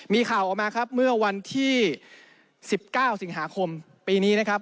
มีข่าวออกมาครับเมื่อวันที่๑๙สิงหาคมปีนี้นะครับ